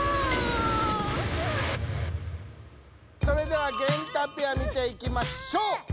それではゲンタペア見ていきましょう。